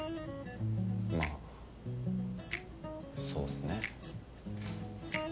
まあそうっすね。